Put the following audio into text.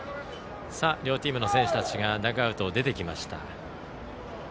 両チームの選手たちがダグアウトを出てきました。